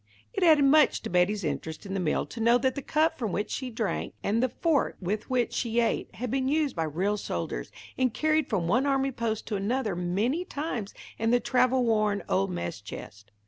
It added much to Betty's interest in the meal to know that the cup from which she drank, and the fork with which she ate, had been used by real soldiers, and carried from one army post to another many times in the travel worn old mess chest.